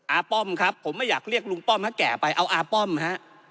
ป้อมครับผมไม่อยากเรียกลุงป้อมให้แก่ไปเอาอาป้อมฮะ